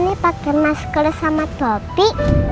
om brandi pakai maskernya sama topi